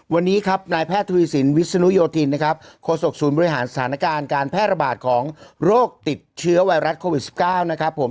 วันนี้ครับนายแพทย์ทวีสินวิศนุโยธินนะครับโฆษกศูนย์บริหารสถานการณ์การแพร่ระบาดของโรคติดเชื้อไวรัสโควิด๑๙นะครับผม